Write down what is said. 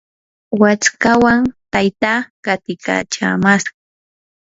waskawan taytaa qatikachamashqa.